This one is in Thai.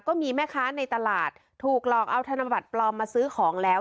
ก็มีแม่ค้าในตลาดถูกหลอกเอาธนบัตรปลอมมาซื้อของแล้ว